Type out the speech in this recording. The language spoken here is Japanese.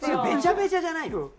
べちゃべちゃじゃないの？